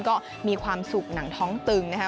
ก็มีความสุขหนังท้องตึงนะคะ